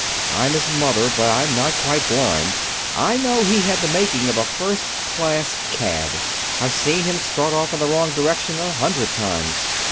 I'm his mother, but I'm not quite blind. I know he had the making of a first class cad. I've seen him start off in the wrong direction a hundred times."